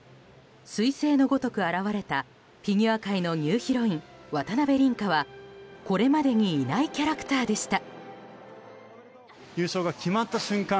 彗星のごとく現れたフィギュア界のニューヒロイン渡辺倫果は、これまでにいないキャラクターでした。